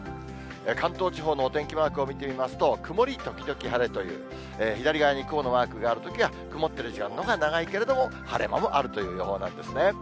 関東地方のお天気マークを見てみますと、曇り時々晴れという、左側に雲のマークがあるときは、曇っている時間のほうが長いけれども、晴れ間もあるという予報なんですね。